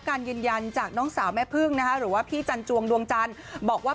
ยืนยันจากน้องสาวแม่พึ่งนะคะหรือว่าพี่จันจวงดวงจันทร์บอกว่า